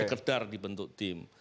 sekedar dibentuk tim